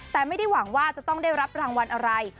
แต่ไม่ได้หวังว่าจะต้องได้รับรางวัลอะไร